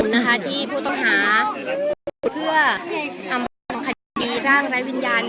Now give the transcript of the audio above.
นะคะที่ผู้ต้องหาเพื่ออำพลังคดีร่างรายวิทยาลัย